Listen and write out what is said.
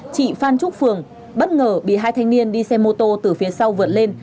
chị phan trúc phường bất ngờ bị hai thanh niên đi xe mô tô từ phía sau vượt lên